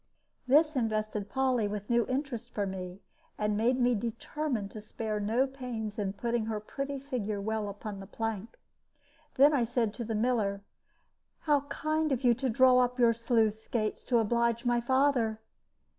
This invested Polly with new interest for me, and made me determine to spare no pains in putting her pretty figure well upon the plank. Then I said to the miller, "How kind of you to draw up your sluice gates to oblige my father!